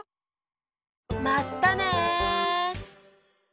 まったね！